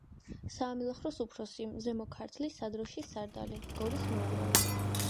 საამილახვროს უფროსი, ზემო ქართლის სადროშის სარდალი, გორის მოურავი.